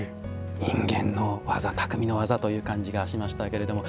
人間の技匠の技という感じがしましたけれども。